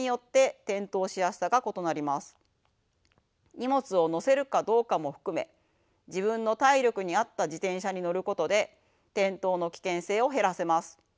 荷物を載せるかどうかも含め自分の体力に合った自転車に乗ることで転倒の危険性を減らせます。